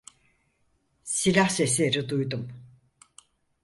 Silah sesleri duydum.